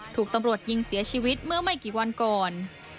ถูกตำรวจยิงเสียชีวิตเมื่อไม่กี่วันก่อน